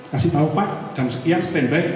kasih tau pak jam sekian stand by